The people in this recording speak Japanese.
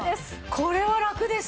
これはラクです。